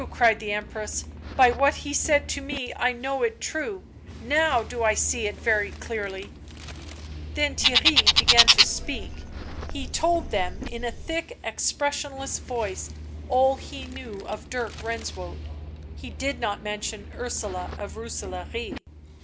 cried the Empress; " by what he said to me I know it true — now do I see it very clearly " Then Theirry began to speak ; he told them, in a thick, expressionless voice, all he knew of Dirk Renswoude. He did not mention Ursula of Rooselaare.